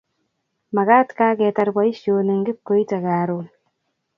Makat kaketar poisyoni ngipkoite karon.